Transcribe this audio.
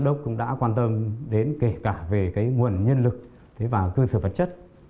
các đồng chí cũng đã quan tâm đến kể cả về nguồn nhân lực và cơ sở vật chất